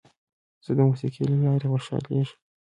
زه د موسیقۍ له لارې خوشحالېږم.